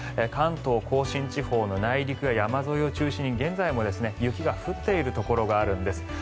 関東・甲信地方の内陸や山沿いを中心に現在も雪が降っているところがあるんです。